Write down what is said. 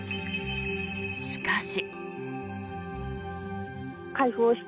しかし。